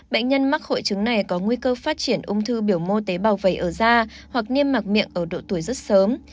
bệnh nhân mắc hội chứng này có nguy cơ phát triển ung thư biểu mô tế bào vẩy ở da hoặc niêm mạc miệng ở độ tuổi rất sớm